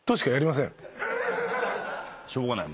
しょうがない。